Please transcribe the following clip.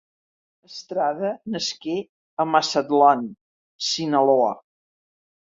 Estrada nasqué a Mazatlán, Sinaloa.